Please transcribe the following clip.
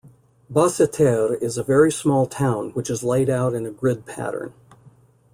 Basseterre is a very small town which is laid out in a grid pattern.